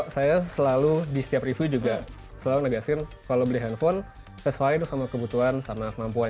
saya selalu di setiap review juga selalu negasin kalau beli handphone sesuai sama kebutuhan sama kemampuan